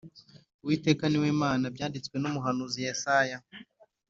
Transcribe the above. Uwiteka niwe mana byanditswe n’ umuhanuzi Yesaya